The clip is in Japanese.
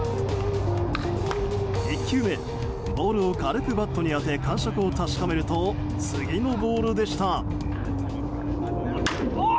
１球目ボールを軽くバットに当て感触を確かめると次のボールでした。